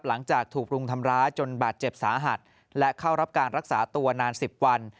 หลังจากถูกรุมทำร้ายจนบาดเจ็บสาหัสและเข้ารับการรักษาตัวนาน๑๐วัน